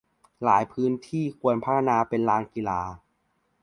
หลายพื้นที่ควรพัฒนาเป็นลานกีฬา